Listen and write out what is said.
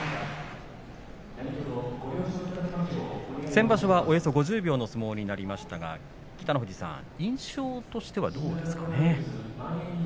先場所はおよそ５０秒の相撲になりましたが北の富士さん印象としてはどうですか。